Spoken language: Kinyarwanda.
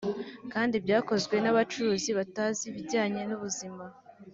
kandi byakozwe n’abacuruzi batazi ibijyanye n’ubuzima